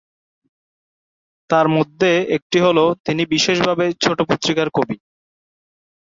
তার মধ্যে একটি হল তিনি বিশেষভাবে ছোট পত্রিকা'-র কবি।